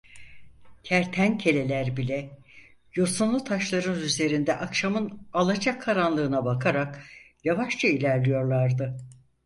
Kertenkeleler bile, yosunlu taşların üzerinde, akşamın alacakaranlığına bakarak, yavaşça ilerliyorlardı.